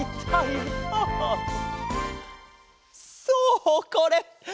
そうこれ！